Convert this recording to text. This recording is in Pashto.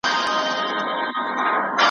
دا وطن که په تورو تورو شپو کې پروت وي